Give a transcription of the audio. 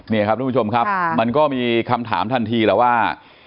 นี่ครับทุกผู้ชมครับมันก็มีคำถามทันทีแล้วว่า